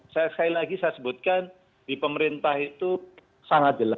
sekali lagi saya sebutkan di pemerintah itu sangat jelas